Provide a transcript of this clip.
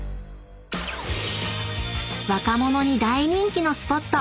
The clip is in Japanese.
［若者に大人気のスポット！